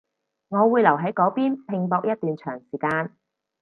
我會留喺嗰邊拼搏一段長時間